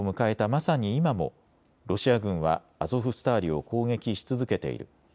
まさに今もロシア軍はアゾフスターリを攻撃し続けている。